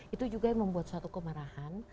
itu juga yang membuat suatu kemarahan